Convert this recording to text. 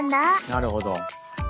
なるほど。